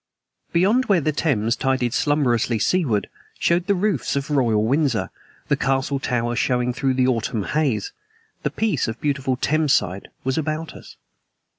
Beyond where the Thames tided slumberously seaward showed the roofs of Royal Windsor, the castle towers showing through the autumn haze. The peace of beautiful Thames side was about us.